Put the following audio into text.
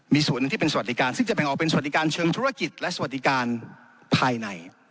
มีส่วนหนึ่งที่เป็นสวัสดิการซึ่งจะแบ่งออกเป็นสวัสดิการเชิงธุรกิจและสวัสดิการภายใน